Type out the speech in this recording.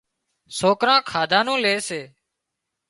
سوڪران کاڌا نُون لي سي